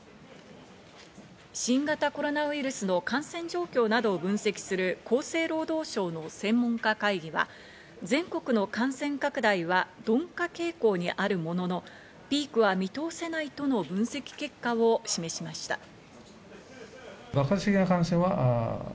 新型コロナウイルスの感染状況などを分析する厚生労働省の専門家会議は全国の感染拡大は鈍化傾向にあるものの、ピークは見通せないとの分析結果を示しました。